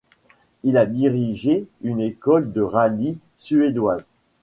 Il a dirigé une école de rallyes suédoise.